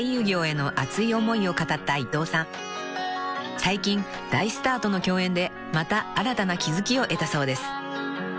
［最近大スターとの共演でまた新たな気付きを得たそうです］